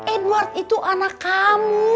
edward itu anak kamu